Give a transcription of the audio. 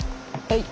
はい。